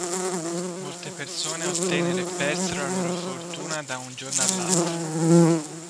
Molte persone ottennero e persero la loro fortuna da un giorno all'altro.